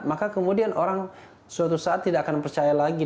maka kemudian orang suatu saat tidak akan percaya lagi